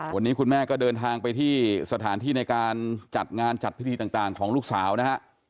วันนี้คุณแม่ก็เดินทางไปที่สถานที่ในการจัดงานจัดพิธีต่างของลูกสาวนะฮะ